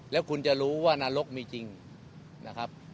แล้วคุณจะรู้ว่านรกมีจริงนะครับ